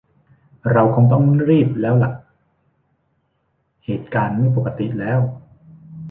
เราคงต้องรีบแล้วละ เหตุการณ์ไม่ปกติแล้ว